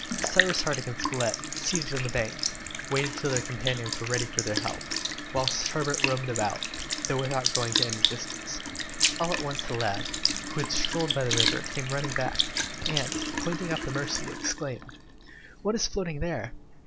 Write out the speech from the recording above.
Cyrus Harding and Spilett, seated on the bank, waited till their companions were ready for their help, whilst Herbert roamed about, though without going to any distance. All at once, the lad, who had strolled by the river, came running back, and, pointing up the Mercy, exclaimed, "What is floating there?"